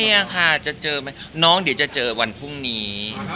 เนี่ยค่ะจะเจอไหมน้องเดี๋ยวจะเจอวันพรุ่งนี้